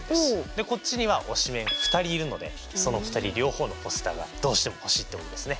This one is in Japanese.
こっちには推しメン２人いるのでその２人両方のポスターがどうしても欲しいってことですね。